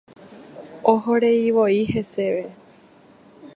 Ohoreivoi heseve.